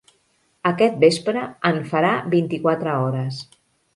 Aquest vespre en farà vint-i-quatre hores.